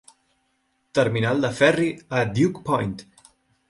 Terminal de ferri a Duke Point.